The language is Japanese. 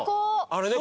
あれね